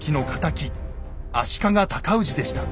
足利尊氏でした。